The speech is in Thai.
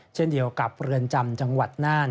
เช่นเดียวกับเรือนจำจังหวัดน่าน